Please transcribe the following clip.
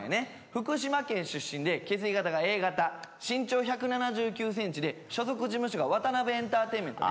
福島県出身で血液型がＡ型身長１７９センチで所属事務所がワタナベエンターテインメントね